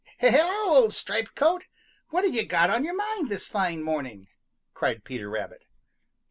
"Hello, old Striped coat, what have you got on your mind this fine morning?" cried Peter Rabbit.